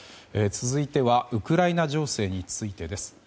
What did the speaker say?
続いてはウクライナ情勢についてです。